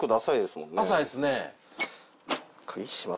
浅いっすね。